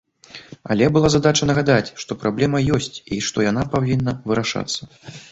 Але была задача нагадаць, што праблема ёсць, і што яна павінна вырашацца.